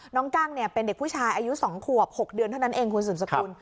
กั้งเป็นเด็กผู้ชายอายุ๒ขวบ๖เดือนเท่านั้นเองคุณสุดสกุล